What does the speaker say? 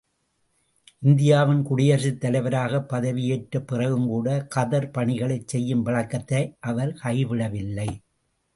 இந்தியாவின் குடியரசுத் தலைவராகப் பதவியேற்றப் பிறகும் கூட, கதர் பணிகளைச் செய்யும் பழக்கத்தை அவர் கைவிடவில்லை.